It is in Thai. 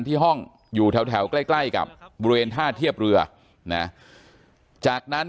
ที่ห้องอยู่แถวแถวใกล้ใกล้กับบริเวณท่าเทียบเรือนะจากนั้น